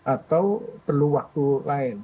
atau perlu waktu lain